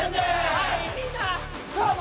はいみんな今日も。